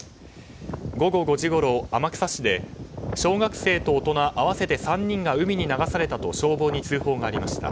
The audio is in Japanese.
午後５時ごろ、天草市で小学生と大人合わせて３人が海に流されたと消防に通報がありました。